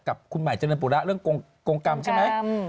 กับคุณใหม่เจริญปุระเรื่องกรงกรรมใช่ไหม